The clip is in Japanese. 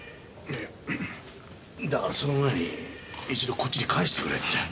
だからその前に一度こっちに返してくれって。